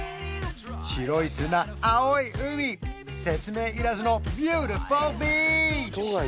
白い砂青い海説明いらずのビューティフォービーチ！